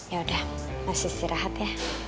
ya udah masih istirahat ya